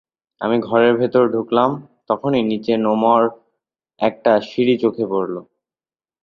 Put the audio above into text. আমি ঘরের ভেতর ঢুকলাম, তখনি নিচে নোমর একটা সিঁড়ি চোখে পড়ল।